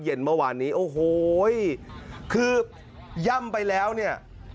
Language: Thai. เมื่อวานนี้โอ้โหคือย่ำไปแล้วเนี่ย